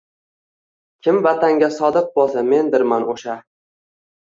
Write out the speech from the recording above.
Kim vatanga sodiq bo‘lsa, mendirman o‘sha